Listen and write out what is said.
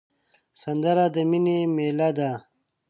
سندره د مینې میله ده